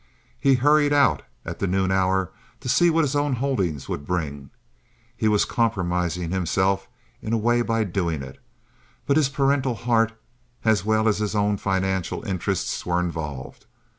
He hurried out at the noon hour to see what his own holdings would bring. He was compromising himself in a way by doing it, but his parental heart, as well as is own financial interests, were involved.